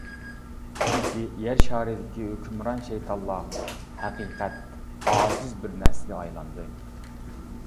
چۈنكى، يەر شارىدىكى ھۆكۈمران شەيتانلار. ھەقىقەت. ئاجىز بىر نەرسىگە ئايلاندى.